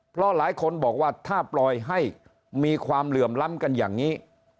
เพราะหลายคนบอกว่าถ้าปล่อยให้มีความเหลื่อมล้ำกันอย่างนี้